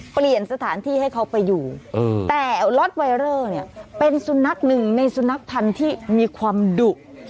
เปลี่ยนสถานที่ให้เขาไปอยู่แต่ล็อตไวเลอร์เนี่ยเป็นสุนัขหนึ่งในสุนัขพันธุ์ที่มีความดุ